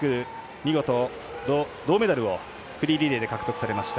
見事銅メダルをフリーリレーで獲得されました